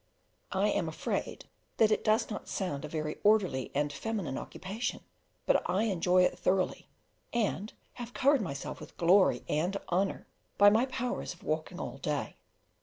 I am afraid that it does not sound a very orderly and feminine occupation, but I enjoy it thoroughly, and have covered myself with glory and honour by my powers of walking all day.